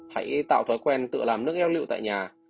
hãy tạo thói quen tự làm nước ép lựu tại nhà